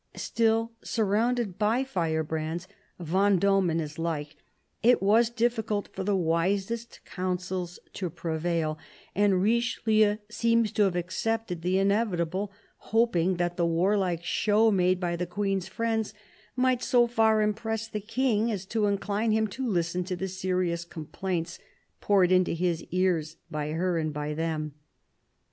Still, surrounded by firebrands — Vendome and his like — it was difficult for the wisest counsels to prevail, and Riche lieu seems to have accepted the inevitable, hoping that the warlike show made by the Queen's friends might so far impress the King as to incline him to listen to the serious complaints poured into his ears by her and by them.